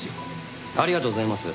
ありがとうございます。